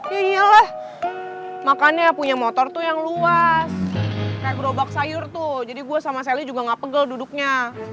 ya iyalah makanya punya motor tuh yang luas kayak berobak sayur tuh jadi gua sama sally juga nggak pegel duduknya